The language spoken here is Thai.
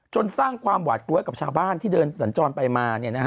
สร้างความหวาดกลัวให้กับชาวบ้านที่เดินสัญจรไปมา